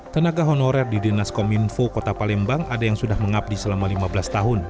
tenaga honorer di dinas kominfo kota palembang ada yang sudah mengabdi selama lima belas tahun